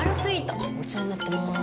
お世話になってます。